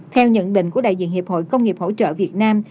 theo nhận định của đại diện hiệp hội công nghiệp hỗ trợ việt nam